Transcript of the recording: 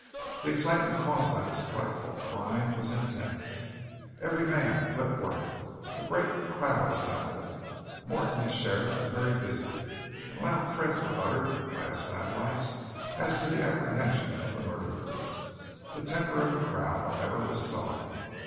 The excitement caused by this frightful crime was intense. Every man quit work. A great crowd assembled. Morton as sheriff was very busy, and loud threats were uttered by his satellites as to the apprehension of the murderers. The temper of the crowd, however, was sullen.